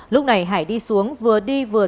lúc này hải đi xuống vừa đi vừa